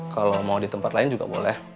kalau mau di tempat lain juga boleh